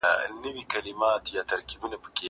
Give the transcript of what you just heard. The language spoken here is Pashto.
زه به سبا د کتابتون د کار مرسته وکړم!؟